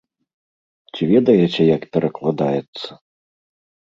Ці ведаеце, як перакладаецца?